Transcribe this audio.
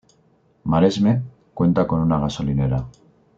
Maresme, cuenta con una gasolinera.